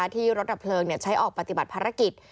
ที่รถดับเพลิงใช้ออกปฏิบัติภารกิจ